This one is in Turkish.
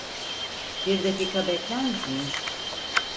Bir dakika bekler misiniz?